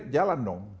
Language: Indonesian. tapi lihat jalan dong